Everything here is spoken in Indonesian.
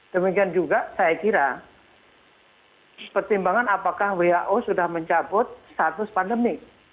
demikian juga saya kira pertimbangan apakah who sudah mencabut status pandemi